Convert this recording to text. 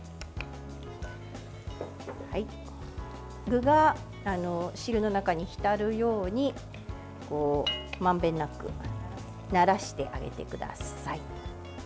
具が汁の中に浸るようにまんべんなくならしてあげてください。